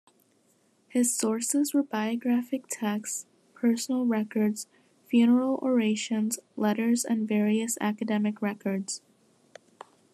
His sources were biographic texts, personal records, funeral orations, letters and various academic records.